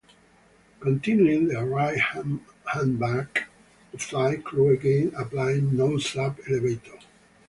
Continuing their right hand bank, the flight crew again applied nose up elevator.